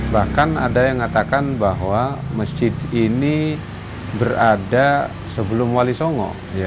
bahkan ada yang mengatakan bahwa masjid ini berada sebelum wali songo